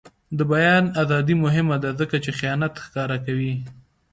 د بیان ازادي مهمه ده ځکه چې خیانت ښکاره کوي.